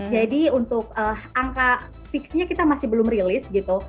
jadi untuk angka fix nya kita masih belum release gitu